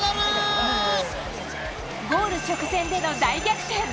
ゴール直前での大逆転。